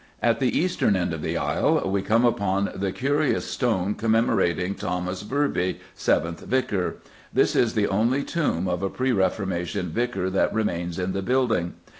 At the eastern end of the aisle we come upon the curious stone commemorating Thomas Virby, seventh vicar. This is the only tomb of a pre Reformation vicar that remains in the building.